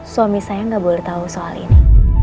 suami saya nggak boleh tahu soal ini